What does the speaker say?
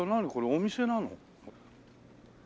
お店なの？